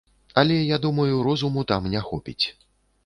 Але я думаю, розуму там не хопіць.